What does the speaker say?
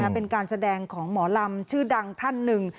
เป็นการแสดงของหมอลำชื่อดังท่านหนึ่ง